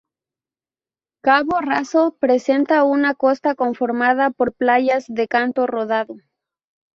Cabo Raso presenta una costa conformada por playas de canto rodado.